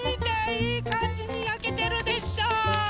いいかんじにやけてるでしょう？